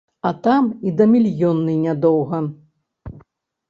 А там і да мільённай нядоўга.